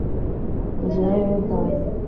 hakurya ya yorudani